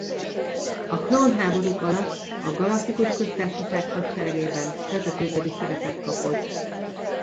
A Klón Háborúk alatt a Galaktikus Köztársaság hadseregében vezető jedi szerepet kapott.